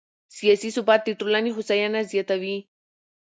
سیاسي ثبات د ټولنې هوساینه زیاتوي